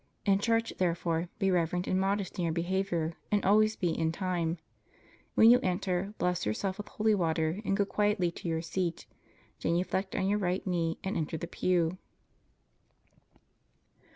In church, therefore, be reverent and modest in your behavior, and always be in time. When you enter, bless yourself with holy water and go quietly to your seat, genuflect on your right knee and enter the pew.